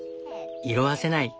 色あせない。